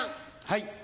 はい。